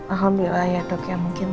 alhamdulillah ya dok ya mungkin